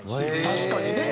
確かにね。